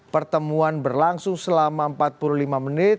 pertemuan berlangsung selama empat puluh lima menit